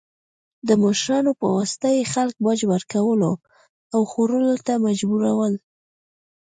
د مشرانو په واسطه یې خلک باج ورکولو او خوړو ته مجبورول.